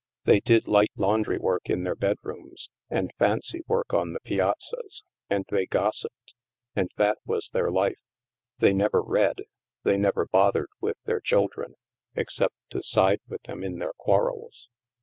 They did light laundry work in their bedrooms and fancy work on the piazzas, and they gossipped ; and that was their life. They never read. They never bothered with their children, except to side with them in their quar THE MAELSTROM 207 rels.